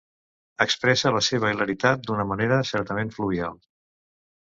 Expressa la seva hilaritat d'una manera certament fluvial.